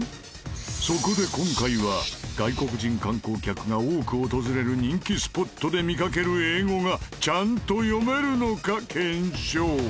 そこで今回は外国人観光客が多く訪れる人気スポットで見かける英語がちゃんと読めるのか検証。